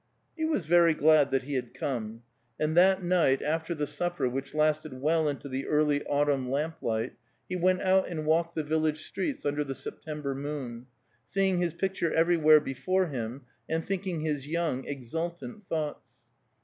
He was very glad that he had come, and that night, after the supper which lasted well into the early autumn lamp light, he went out and walked the village streets under the September moon, seeing his picture everywhere before him, and thinking his young, exultant thoughts.